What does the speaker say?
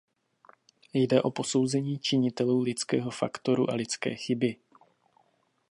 Jde o posouzení činitelů lidského faktoru a lidské chyby.